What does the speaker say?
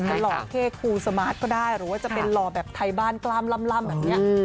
หรือว่าจะเป็นหล่อแบบไทยบ้านกล้ามล่ำแบบนี้